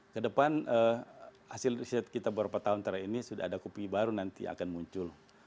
kedepan hasil riset kita beberapa tahun terakhir ini sudah ada kopi baru nanti akan muncul